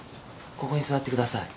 ここに座ってください。